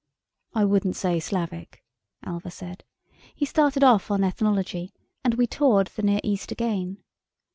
"I wouldn't say Slavic," Alva said. He started off on ethnology, and we toured the Near East again.